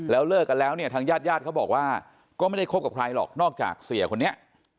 แล้วเลิกกันแล้วเนี่ยทางญาติญาติเขาบอกว่าก็ไม่ได้คบกับใครหรอกนอกจากเสียคนนี้